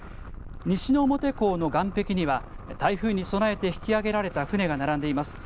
西之表港の岸壁には、台風に備えて引き上げられた船が並んでいます。